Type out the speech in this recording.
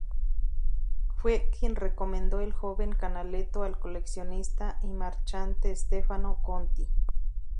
Fue quien recomendó el joven Canaletto al coleccionista y marchante Stefano Conti.